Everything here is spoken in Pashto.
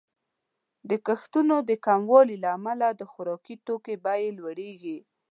د کښتونو د کموالي له امله د خوراکي توکو بیې لوړیږي.